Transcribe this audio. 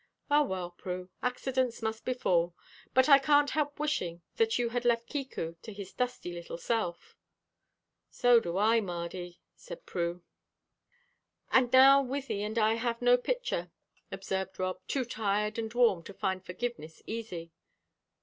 Ah, well, Prue; accidents must befall; but I can't help wishing that you had left Kiku to his dusty little self." "So do I, Mardy," said Prue. "And now Wythie and I have no pitcher," observed Rob, too tired and warm to find forgiveness easy.